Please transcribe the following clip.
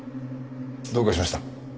どうかしました？